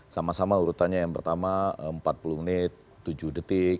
sama sama urutannya yang pertama empat puluh menit tujuh detik